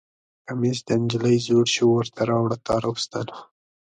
کمیس د نجلۍ زوړ شو ورته راوړه تار او ستن